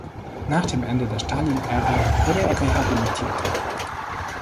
Nach dem Ende der Stalinära wurde er rehabilitiert.